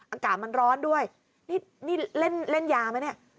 อากาศมันร้อนด้วยนี่เล่นยาไหมเนี่ย